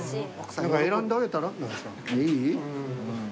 選んであげたら？いい？